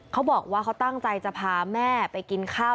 เขาบอกว่าเขาตั้งใจจะพาแม่ไปกินข้าว